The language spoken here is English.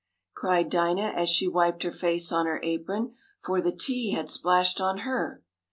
cried Dinah, as she wiped her face on her apron, for the tea had splashed on her.